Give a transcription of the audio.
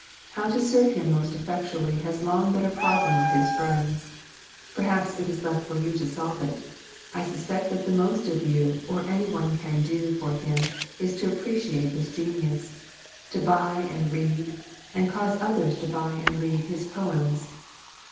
How to serve him most effectually has long been a problem with his friends. Perhaps it is left for you to solve it. I suspect that the most that you or any one can do for him is to appreciate his genius, to buy and read, and cause others to buy and read his poems.